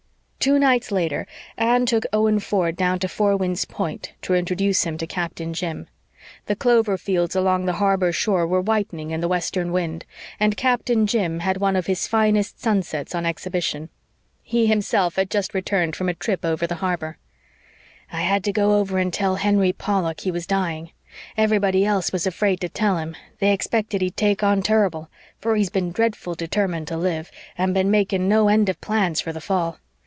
Two nights later Anne took Owen Ford down to Four Winds Point to introduce him to Captain Jim. The clover fields along the harbor shore were whitening in the western wind, and Captain Jim had one of his finest sunsets on exhibition. He himself had just returned from a trip over the harbor. "I had to go over and tell Henry Pollack he was dying. Everybody else was afraid to tell him. They expected he'd take on turrible, for he's been dreadful determined to live, and been making no end of plans for the fall.